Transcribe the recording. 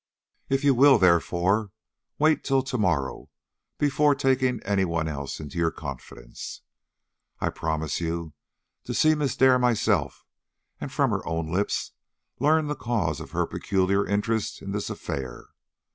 If you will, therefore, wait till to morrow before taking any one else into your confidence, I promise you to see Miss Dare myself, and, from her own lips, learn the cause of her peculiar interest in this affair.